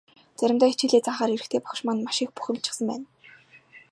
Заримдаа хичээлээ заахаар ирэхдээ багш маань маш их бухимдчихсан байна.